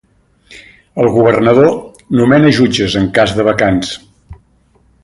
El Governador nomena jutges en cas de vacants.